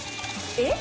えっ？